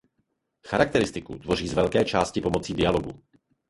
Charakteristiku tvoří z velké části pomocí dialogu.